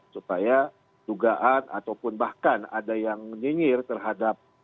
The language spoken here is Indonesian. supaya dugaan ataupun bahkan ada yang nyingir terhadap pemerintahan